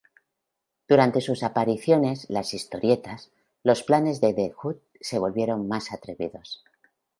Durante sus apariciones las historietas, los planes de The Hood se volvieron más atrevidos.